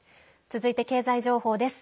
続いて経済情報です。